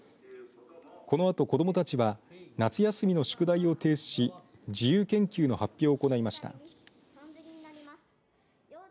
このあと子どもたちは夏休みの宿題を提出し自由研究の発表を行いました。